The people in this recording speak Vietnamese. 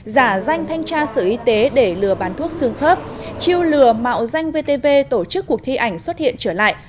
giả danh thanh tra sự y tế để lừa bán thuốc xương phớp chiêu lừa mạo danh vtv tổ chức cuộc thi ảnh xuất hiện trở lại